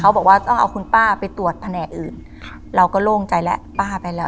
บอกว่าต้องเอาคุณป้าไปตรวจแผนกอื่นครับเราก็โล่งใจแล้วป้าไปแล้ว